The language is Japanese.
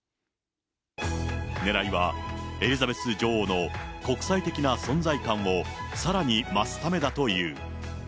ねらいはエリザベス女王の国際的な存在感をさらに増すためだという。